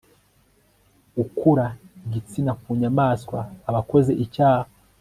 ukura igitsina ku nyamaswa aba akoze icyaha